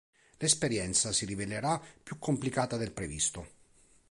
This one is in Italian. L'esperienza si rivelerà più complicata del previsto.